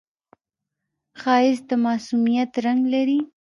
ښایست د معصومیت رنگ لري